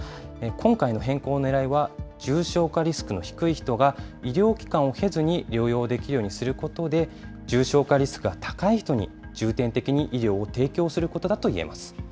今回の変更のねらいは、重症化リスクの低い人が、医療機関を経ずに療養できるようにすることで、重症化リスクが高い人に重点的に医療を提供することだと言えます。